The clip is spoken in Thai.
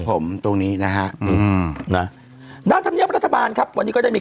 ครับผมตรงนี้นะฮะอืมนะด้านธรรษบารครับวันนี้ก็จะมี